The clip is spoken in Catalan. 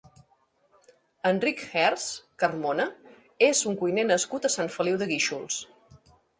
Enric Herce Carmona és un cuiner nascut a Sant Feliu de Guíxols.